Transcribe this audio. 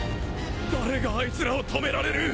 誰があいつらを止められる！？